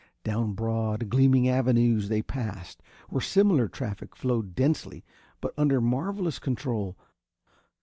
Down broad, gleaming avenues they passed, where similar traffic flowed densely, but under marvelous control.